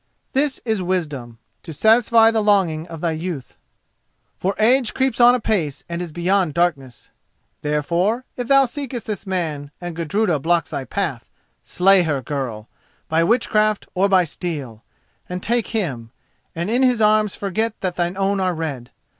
This is wisdom: to satisfy the longing of thy youth; for age creeps on apace and beyond is darkness. Therefore, if thou seekest this man, and Gudruda blocks thy path, slay her, girl—by witchcraft or by steel—and take him, and in his arms forget that thine own are red.